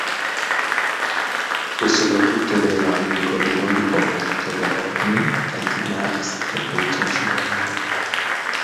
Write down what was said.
Fu soprattutto gregario di corridori come Vittorio Adorni, Eddy Merckx e Felice Gimondi.